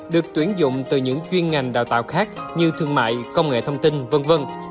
được tuyển dụng từ những chuyên ngành đào tạo khác như thương mại công nghệ thông tin v v